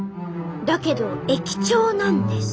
だけど駅長なんです。